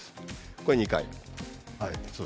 これを２回。